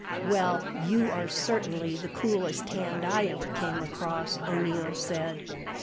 "Well, you are certainly the coolest hand I ever came across," O'Neil said.